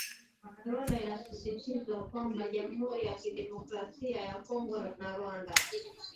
Rwanda inasisitizwa kwamba jamhuri ya kidemokrasia ya Kongo na Rwanda